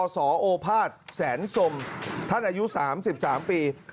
สโอภาษแสนสมท่านอายุ๓๓ปี